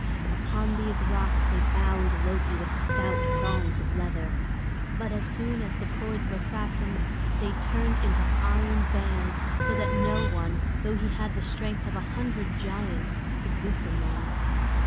Upon these rocks they bound Loki with stout thongs of leather. But as soon as the cords were fastened they turned into iron bands, so that no one, though he had the strength of a hundred giants, could loosen them.